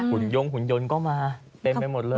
ุ่นยงหุ่นยนต์ก็มาเต็มไปหมดเลย